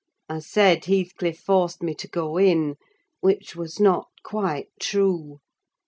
I said Heathcliff forced me to go in: which was not quite true.